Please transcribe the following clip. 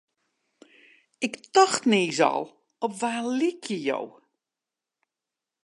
Ik tocht niis al, op wa lykje jo?